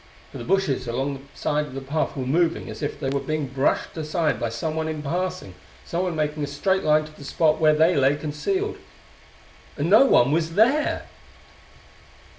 For the bushes along the side of the path were moving as if they were being brushed aside by someone in passing someone making a straight line to the spot where they lay concealed. And no one was there!